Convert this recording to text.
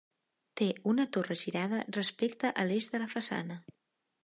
Té una torre girada respecte a l'eix de la façana.